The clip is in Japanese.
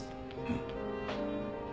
うん。